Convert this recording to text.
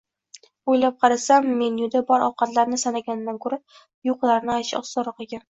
Oʻylab qarasam, menyuda bor ovqatlarni sanagandan koʻra, yoʻqlarini aytish osonroq ekan.